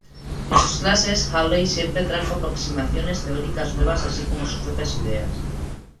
En sus clases, Hawley siempre trajo aproximaciones teóricas nuevas así como sus propias ideas.